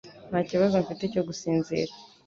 Nta kibazo mfite cyo gusinzira